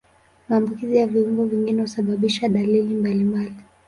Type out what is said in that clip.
Maambukizi ya viungo vingine husababisha dalili mbalimbali.